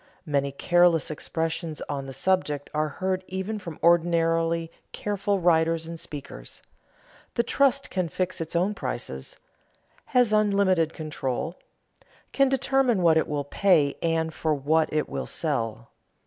Many careless expressions on the subject are heard even from ordinarily careful writers and speakers: "The trust can fix its own prices," "has unlimited control," "can determine what it will pay and for what it will sell."